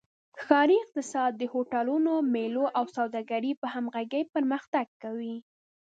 ښاري اقتصاد د هوټلونو، میلو او سوداګرۍ په همغږۍ پرمختګ کوي.